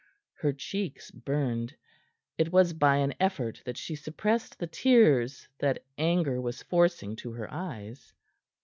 Her cheeks burned; it was by an effort that she suppressed the tears that anger was forcing to her eyes.